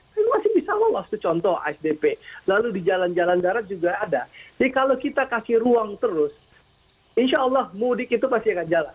saya masih bisa lolos tuh contoh asdp lalu di jalan jalan darat juga ada jadi kalau kita kasih ruang terus insya allah mudik itu pasti akan jalan